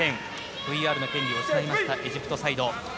ＶＲの権利を抑えましたエジプトサイド。